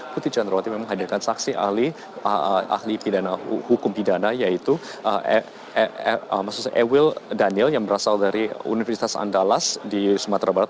putri chandrawati memang hadirkan saksi ahli hukum pidana yaitu ewill daniel yang berasal dari universitas andalas di sumatera barat